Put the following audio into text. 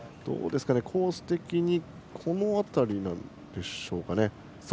コース的に、この辺りでしょうか。